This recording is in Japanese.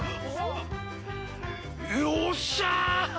よっしゃー！